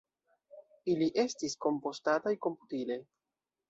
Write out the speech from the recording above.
Ili estis kompostataj komputile.